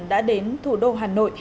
đã đến thủ đô hà nội